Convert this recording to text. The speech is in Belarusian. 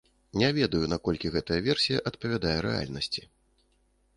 Не ведаю, наколькі гэтая версія адпавядае рэальнасці.